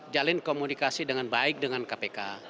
jalin komunikasi dengan baik dengan kpk